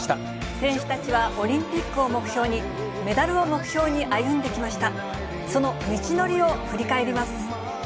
選手たちはオリンピックを目標に、メダルを目標に歩んできました。